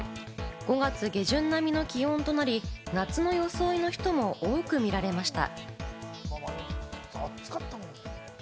５月下旬並みの気温となり、夏の装いの人も多く見られました。